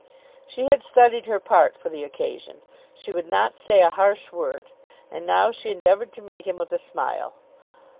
She had studied her part for the occasion. She would not say a harsh word, and now she endeavoured to meet him with a smile.